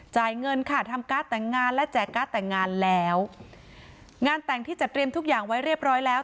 เงินค่ะทำการ์ดแต่งงานและแจกการ์ดแต่งงานแล้วงานแต่งที่จะเตรียมทุกอย่างไว้เรียบร้อยแล้ว